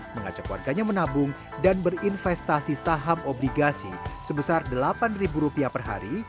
mengajak warganya menabung dan berinvestasi saham obligasi sebesar delapan rupiah per hari